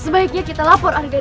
sebaiknya kita lapor anggaran